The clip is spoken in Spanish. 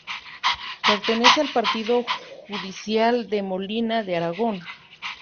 Pertenece al Partido judicial de Molina de Aragón.